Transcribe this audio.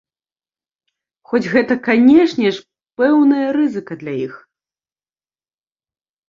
Хоць гэта, канешне ж, пэўная рызыка для іх.